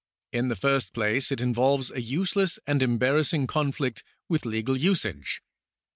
In the first place it involves a useless and embar rassing conflict with legal usage.